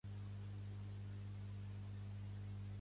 El va enretirar al final Colau?